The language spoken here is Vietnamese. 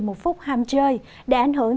một phút ham chơi để ảnh hưởng